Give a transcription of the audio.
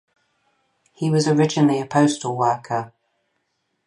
He was originally a postal worker.